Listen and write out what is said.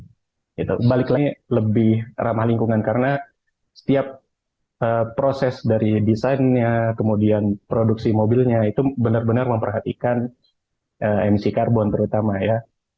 nah balik lagi lebih ramah lingkungan karena setiap proses dari desainnya kemudian produksi mobilnya itu benar benar memperhatikan emisi karbon terutama ya